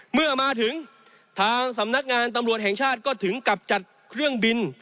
เมื่อมาถึงทางสำนักงานตำรวจแห่งชาติก็ถึงกับจัดเครื่องบิน